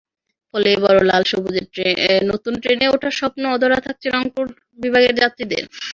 ফলে এবারও লাল-সবুজের নতুন ট্রেনে ওঠার স্বপ্ন অধরা থাকছে রংপুর বিভাগের যাত্রীদের।